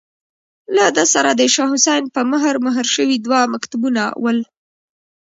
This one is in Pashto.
له ده سره د شاه حسين په مهر، مهر شوي دوه مکتوبونه ول.